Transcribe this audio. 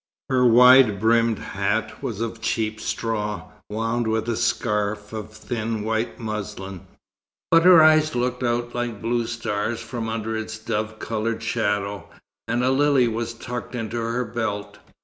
Her wide brimmed hat was of cheap straw, wound with a scarf of thin white muslin; but her eyes looked out like blue stars from under its dove coloured shadow, and a lily was tucked into her belt.